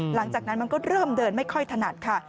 หลังจากนั้นมันก็เริ่มเดินไม่ค่อยถนัดค่ะ